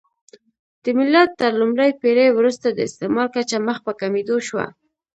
د میلاد تر لومړۍ پېړۍ وروسته د استعمل کچه مخ په کمېدو شوه